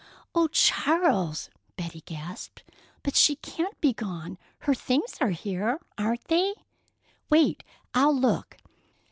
"Oh, Charles!" Betty gasped. "But she can't be gone. Her things are here, aren't they? Wait—I'll look."